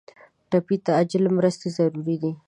ټپي ته عاجل مرستې ضروري دي.